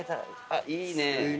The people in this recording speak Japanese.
あっいいね。